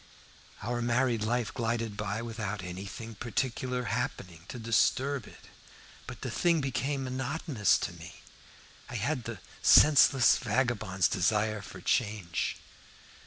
Our married life glided by without anything particular happening to disturb it. But the thing became monotonous to me, and I had the senseless vagabond's desire for change.